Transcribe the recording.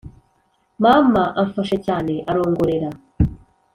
mama amfashe cyane arongorera